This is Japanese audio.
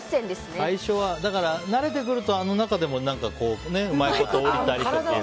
だから、慣れてくるとあの中でもうまいことできたりする。